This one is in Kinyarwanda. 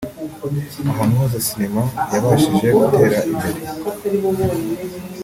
Ahantu hose sinema yabashije gutera imbere